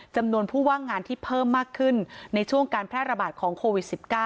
จำนวนผู้ว่างงานที่เพิ่มมากขึ้นในช่วงการแพร่ระบาดของโควิด๑๙